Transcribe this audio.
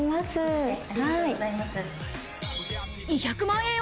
２００万円